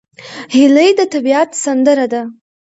هیلۍ د طبیعت سندره ده